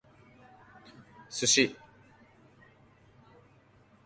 sushi